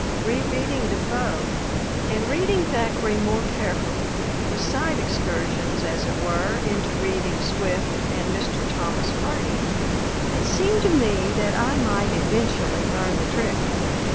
Re reading Defoe, and reading Thackeray more carefully, with side excursions, as it were, into reading Swift and Mr. Thomas Hardy, it seemed to me that I might eventually learn the trick.